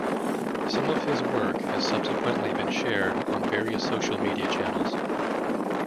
Some of this work has subsequently been shared on various social media channels.